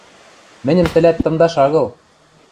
Мӹньӹм тӹлӓт тымдаш агыл!